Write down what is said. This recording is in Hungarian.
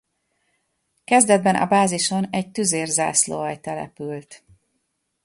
Kezdetben a bázison egy tüzér zászlóalj települt.